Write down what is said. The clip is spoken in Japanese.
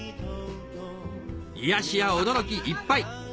癒やしや驚きいっぱい！